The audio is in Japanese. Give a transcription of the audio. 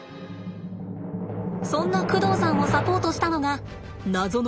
そんな工藤さんをサポートしたのが謎の２人組。